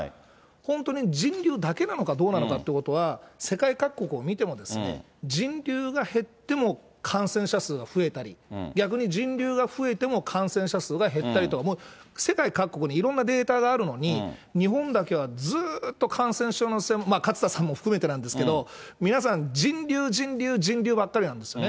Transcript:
本当に人流だけなのかどうなのかっていうことは、世界各国を見ても、人流が減っても感染者数が増えたり、逆に人流が増えても感染者数が減ったりと、もう世界各国にいろんなデータがあるのに、日本だけはずっと感染症の専門家、勝田さんも含めてなんですけども、皆さん、人流、人流、人流ばっかりなんですよね。